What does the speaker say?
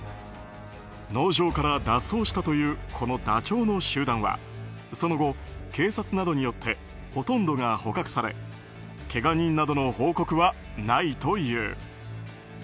農場から脱走したというこのダチョウの集団はその後、警察などによってほとんどが捕獲されけが人などの報告はないという。